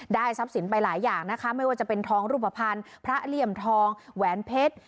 ทรัพย์สินไปหลายอย่างนะคะไม่ว่าจะเป็นทองรูปภัณฑ์พระเหลี่ยมทองแหวนเพชร